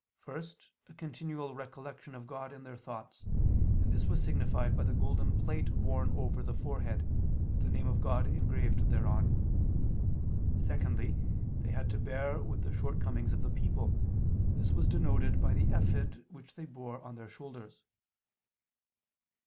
First, a continual recollection of God in their thoughts; and this was signified by the golden plate worn over the forehead, with the name of God engraved thereon. Secondly, they had to bear with the shortcomings of the people: this was denoted by the ephod which they bore on their shoulders.